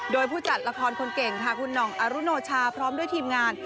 โดยผู้จัดละครคนเก่งค่ะคุณหน่องอรุโนชาพร้อมด้วยทีมงาน